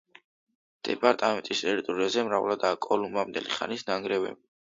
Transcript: დეპარტამენტის ტერიტორიაზე მრავლადაა კოლუმბამდელი ხანის ნანგრევები.